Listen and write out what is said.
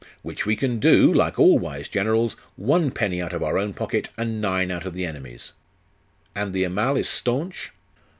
'.... 'Which we can do, like all wise generals, one penny out of our own pocket, and nine out of the enemy's. And the Amal is staunch?